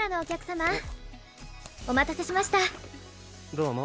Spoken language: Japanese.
どうも。